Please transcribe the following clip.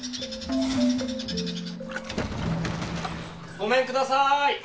ごめんください。